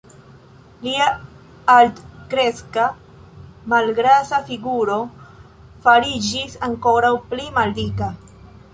Lia altkreska, malgrasa figuro fariĝis ankoraŭ pli maldika.